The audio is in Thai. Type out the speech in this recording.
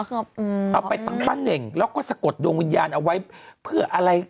เอาไปตั้งป้าเน่งแล้วก็สะกดดวงวิญญาณเอาไว้เพื่ออะไร